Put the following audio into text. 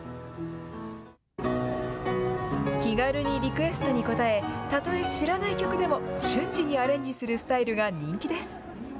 気軽にリクエストに応え、たとえ知らない曲でも瞬時にアレンジするスタイルが人気です。